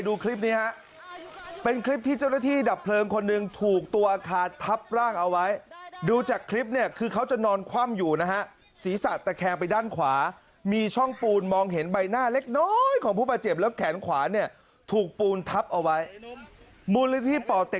ดูคลิปนี้ฮะเป็นคลิปที่เจ้าหน้าที่ดับเพลิงคนหนึ่งถูกตัวคาดทับร่างเอาไว้